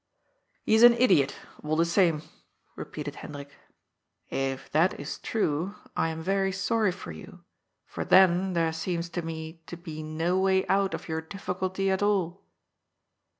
" He is an idiot, all the same," repeated Hendrik. " If that is true, I am very sorry for you, for then there seems to me to be no way out of your difficulty at all."